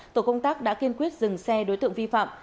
tổ công tác đã kiên quyết dừng xe đối tượng vi phạm